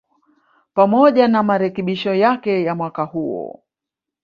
pamoja na marekebisho yake ya mwaka huo